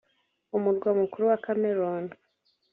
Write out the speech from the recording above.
umurwa mukuru wa Cameroun